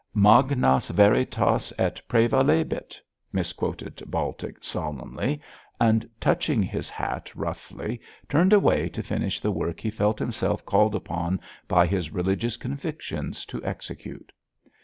'Magnas veritas et praevalebit!' misquoted Baltic, solemnly, and, touching his hat roughly, turned away to finish the work he felt himself called upon by his religious convictions to execute.